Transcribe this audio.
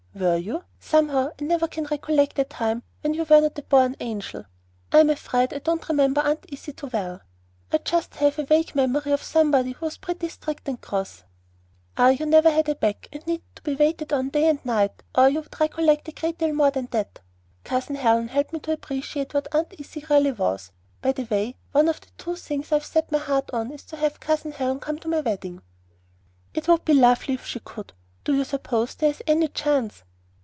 "Were you? Somehow I never can recollect the time when you were not a born angel. I am afraid I don't remember Aunt Izzy well. I just have a vague memory of somebody who was pretty strict and cross." "Ah, you never had a back, and needed to be waited on night and day, or you would recollect a great deal more than that. Cousin Helen helped me to appreciate what Aunt Izzy really was. By the way, one of the two things I have set my heart on is to have Cousin Helen come to my wedding." "It would be lovely if she could. Do you suppose there is any chance?"